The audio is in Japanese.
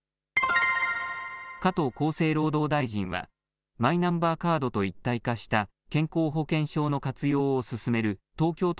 加藤厚生労働大臣は、マイナンバーカードと一体化した健康保険証の活用を進める東京都